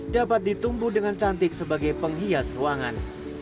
dapat ditumbuh dengan cantik sebagai penghias ruangan